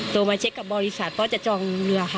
มาเช็คกับบริษัทว่าจะจองเรือค่ะ